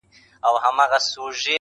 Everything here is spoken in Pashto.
مُلا هم سو پکښي سپور په جګه غاړه؛